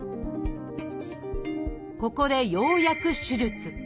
ここでようやく手術。